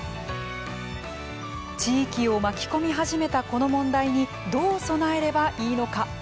地域を巻き込み始めたこの問題にどう備えればいいのか。